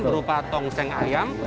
berupa tong seng ayam